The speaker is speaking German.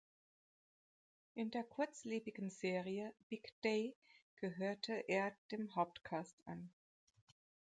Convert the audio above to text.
In der kurzlebigen Serie "Big Day" gehörte er dem Hauptcast an.